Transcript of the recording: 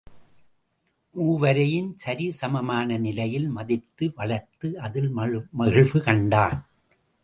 மூவரையும் சரி சமமான நிலையில் மதித்து வளர்த்து அதில் மகிழ்வு கண்டான்.